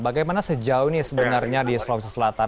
bagaimana sejauh ini sebenarnya di sulawesi selatan